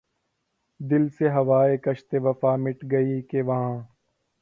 دل سے ہواے کشتِ وفا مٹ گئی کہ واں